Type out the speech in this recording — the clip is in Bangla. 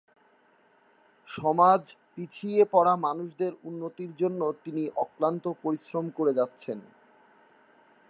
সমাজ পিছিয়ে পড়া মানুষদের উন্নতির জন্য তিনি অক্লান্ত পরিশ্রম করে যাচ্ছেন।